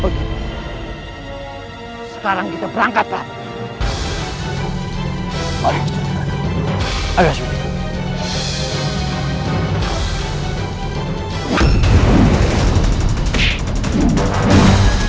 trusuap taun jutaan perang